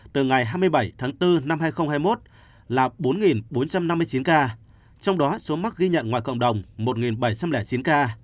tháng bốn năm hai nghìn hai mươi một là bốn bốn trăm năm mươi chín ca trong đó số mắc ghi nhận ngoại cộng đồng một bảy trăm linh chín ca